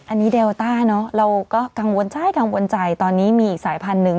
อันนี้เดลต้าเนาะเราก็กังวลใจตอนนี้มีอีกสายพันหนึ่ง